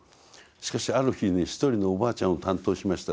「しかしある日一人のおばあちゃんを担当しました。